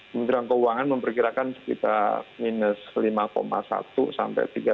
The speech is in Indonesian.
kemudian keuangan memperkirakan sekitar minus lima satu sampai tiga lima ya